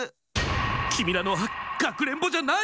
きみらのはかくれんぼじゃない！